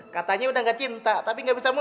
katanya udah gak cinta tapi gak bisa move on